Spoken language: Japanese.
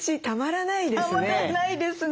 たまらないですねこれ。